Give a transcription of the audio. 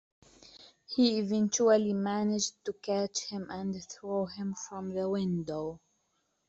He eventually managed to catch him and throw him from the window.